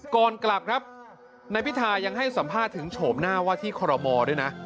ก่อนกลับครับนายพิทายังให้สัมภาษณ์ถึงโฉมหน้าว่าที่คอรมอด้วยนะ